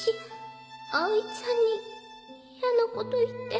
アオイちゃんに嫌なこと言って。